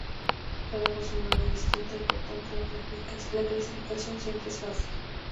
Cada voz humana es distinta y, por tanto, la clasificación no siempre es fácil.